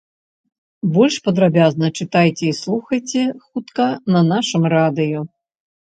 Больш падрабязна чытайце і слухайце хутка на нашым радыё.